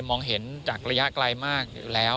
มองเห็นจากระยะไกลมากอยู่แล้ว